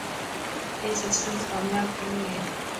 اي سسٽم ڪامپاب ڪوني هي.